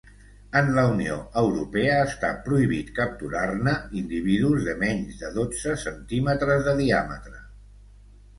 En la Unió Europea està prohibit capturar-ne individus de menys de dotze centímetres de diàmetre.